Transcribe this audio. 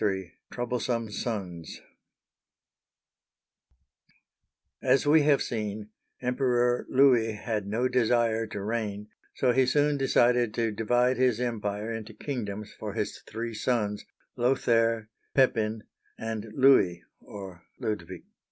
XXIIL TROUBLESOME SONS AS we have seen, Emperor Louis had no desire to reig^, so he soon decided to divide his empire into king doms for his three sons,* Lothair', Pepin, and Louis (or Ludwig).